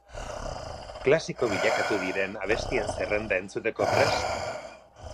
Klasiko bilakatu diren abestien zerrenda entzuteko prest?